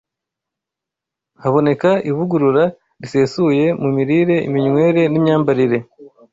haboneka ivugurura risesuye mu mirire, iminywere, n’imyambarire.